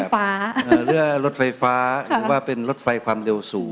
รถไฟฟ้าเอ่อรถไฟฟ้าค่ะหรือว่าเป็นรถไฟความเร็วสูง